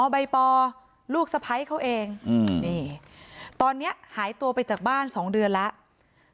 ใบปอลูกสะพ้ายเขาเองนี่ตอนนี้หายตัวไปจากบ้าน๒เดือนแล้ว